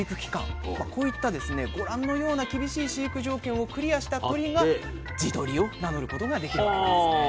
こういったですねご覧のような厳しい飼育条件をクリアした鶏が地鶏を名乗ることができるわけですね。